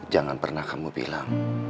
jangan pernah kamu bilang